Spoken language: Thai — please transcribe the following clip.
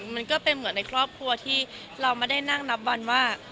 มันก็เป็นเหมือนในครอบครัวที่เราไม่ได้นั่งนับวันว่า